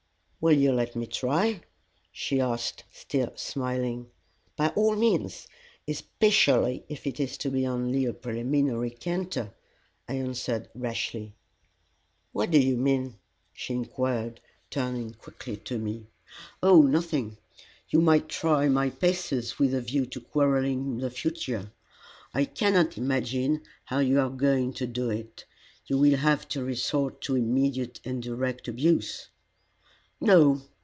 "Will you let me try?" she asked, still smiling. "By all means especially if it is to be only a preliminary canter," I answered, rashly. "What do you mean?" she inquired, turning quickly upon me. "Oh nothing. You might try my paces with a view to quarrelling in the future. I cannot imagine how you are going to do it. You will have to resort to immediate and direct abuse." "No.